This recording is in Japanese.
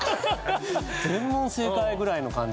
全問正解ぐらいの感じで。